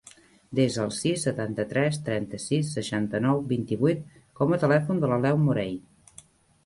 Desa el sis, setanta-tres, trenta-sis, seixanta-nou, vint-i-vuit com a telèfon de l'Aleu Morey.